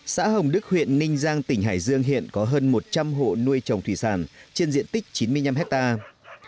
xã hồng đức huyện ninh giang tỉnh hải dương hiện có hơn một trăm linh hộ nuôi trồng thủy sản trên diện tích chín mươi năm hectare